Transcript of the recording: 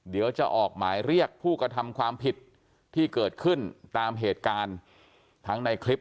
เดี๋ยวจะออกหมายเรียกผู้กระทำความผิดที่เกิดขึ้นตามเหตุการณ์ทั้งในคลิป